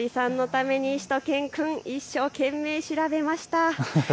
みおりさんのためにしゅと犬くん一生懸命、調べました。